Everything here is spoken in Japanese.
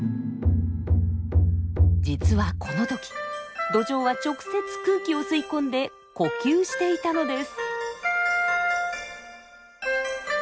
実はこの時ドジョウは直接空気を吸い込んで呼吸していたのです。